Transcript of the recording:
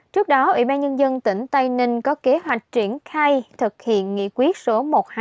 trước đó ủy ban nhân dân tỉnh tây ninh có kế hoạch triển khai thực hiện nghị quyết số một nghìn hai mươi